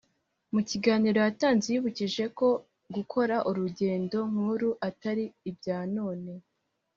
mu kiganiro yatanze yibukije ko gukora urugendo nk’uru atari ibya none